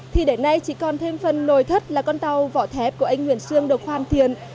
thì đến nay chỉ còn thêm phần nồi thất là con tàu vỏ thép của anh nguyễn sương được hoàn thiện